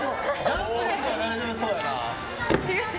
ジャンプ力は大丈夫そうだな。